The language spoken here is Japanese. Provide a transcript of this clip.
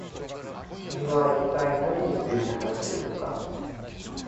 君は一体何について話しているのか？